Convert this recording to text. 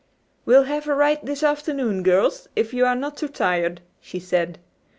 "We'll have a ride this afternoon, girls, if you are not too tired," she said.